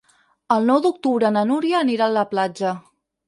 El nou d'octubre na Núria anirà a la platja.